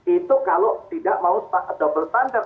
itu kalau tidak mau double standard